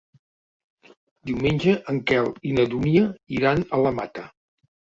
Diumenge en Quel i na Dúnia iran a la Mata.